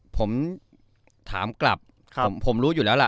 ผมถามกลับผมรู้อยู่แล้วล่ะ